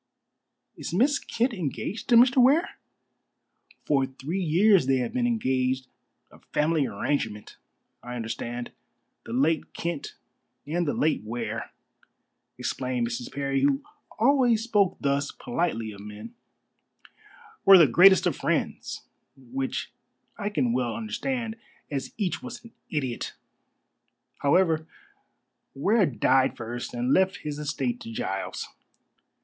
"Is Miss Kent engaged to Mr. Ware?" "For three years they have been engaged a family arrangement, I understand. The late Kent and the late Ware," explained Mrs. Parry, who always spoke thus politely of men, "were the greatest of friends, which I can well understand, as each was an idiot. However, Ware died first and left his estate to Giles.